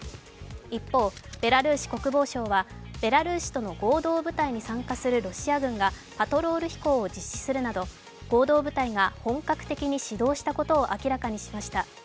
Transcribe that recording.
一方、ベラルーシ国防省はベラルーシとの合同部隊に参加するロシア軍がパトロール飛行を実施するなど合同部隊が本格的に始動したことを明らかにしました。